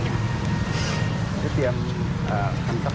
สวัสดีครับ